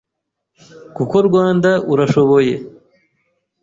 Kuko Rwanda urashoboye